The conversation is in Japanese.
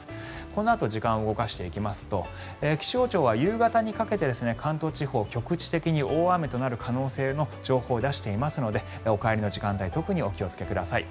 このあと時間を動かしていきますと気象庁は夕方にかけて関東地方、局地的に大雨となる可能性の情報を出していますのでお帰りの時間帯特にお気をつけください。